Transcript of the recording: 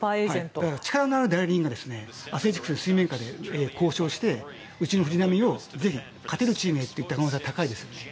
力のある大リーガーがアスレチックスと水面下で交渉してうちの藤浪をぜひ勝てるチームへと言った可能性が高いです。